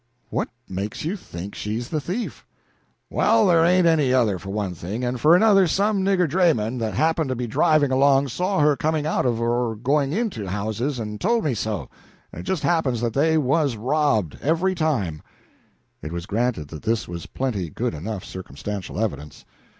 "What makes you think she's the thief?" "Well, there ain't any other, for one thing; and for another, some nigger draymen that happened to be driving along saw her coming out of or going into houses, and told me so and it just happens that they was robbed houses, every time." It was granted that this was plenty good enough circumstantial evidence.